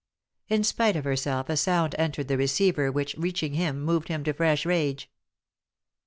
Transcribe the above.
In spite of herself a sound entered the receiver which, reaching him, moved him to fresh rage.